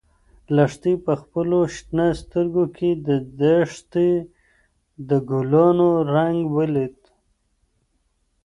لښتې په خپلو شنه سترګو کې د دښتې د ګلانو رنګ ولید.